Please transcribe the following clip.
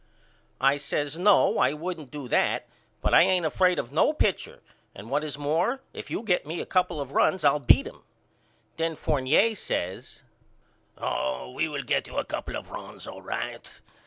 I says No I wouldn't do that but I ain't afraid of no pitcher and what is more if you get me a couple of runs I'll beat him. Then Fournier says Oh we will get you a couple of runs all right.